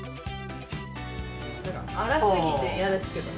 荒すぎて嫌ですけどね。